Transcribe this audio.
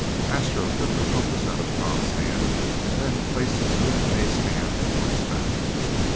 Astro took the compass out of Tom's hand and then placed his unit mate's hand on his back.